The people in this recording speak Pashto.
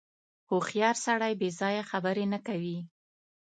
• هوښیار سړی بېځایه خبرې نه کوي.